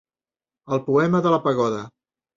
El poema de la pagoda.